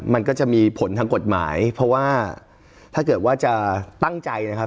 มันก็จะมีผลทางกฎหมายเพราะว่าถ้าเกิดว่าจะตั้งใจนะครับ